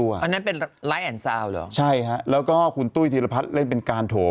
อันนั้นเป็นไลค์แอนดซาวน์เหรอใช่ฮะแล้วก็คุณตุ้ยธีรพัฒน์เล่นเป็นการโถ